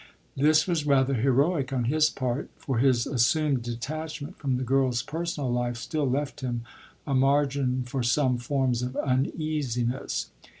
This was rather heroic on his part, for his assumed detachment from the girl's personal life still left him a margin for some forms of uneasiness.